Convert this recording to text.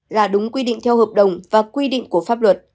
là đúng quy định theo hợp đồng và quy định của pháp luật